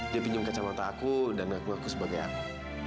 dia pinjam kacamata aku dan ngaku ngaku sebagai aku